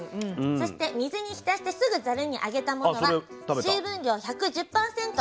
そして水に浸してすぐざるにあげたものは水分量１１０％